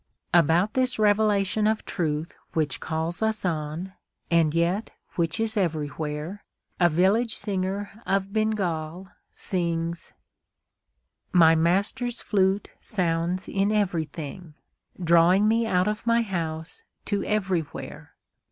About this revelation of truth which calls us on, and yet which is everywhere, a village singer of Bengal sings: My master's flute sounds in everything, drawing me out of my house to everywhere.